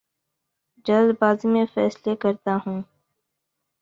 جلد بازی میں فیصلے کرتا ہوں